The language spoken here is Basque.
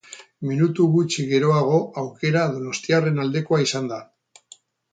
Minutu gutxi geroago aukera donostiarren aldekoa izan da.